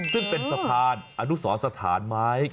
ซึ่งเป็นสะพานอนุสรสถานไม้